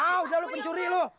ah udah lu pencuri lu